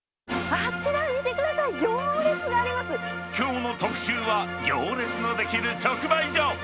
あちら見てください、行列がきょうの特集は、行列のできる直売所。